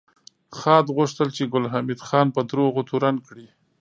خاد غوښتل چې ګل حمید خان په دروغو تورن کړي